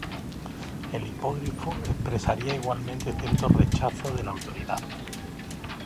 El hipogrifo expresaría igualmente cierto rechazo de la autoridad.